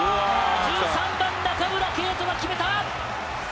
１３番、中村敬斗が決めた！